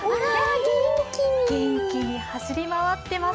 元気に走り回っています。